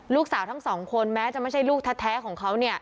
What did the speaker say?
ลูกสาวทั้งสองคนแม้จะไม่ใช่ลูกแท้ของเขา